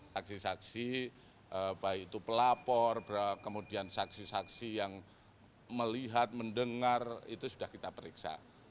saksi saksi baik itu pelapor kemudian saksi saksi yang melihat mendengar itu sudah kita periksa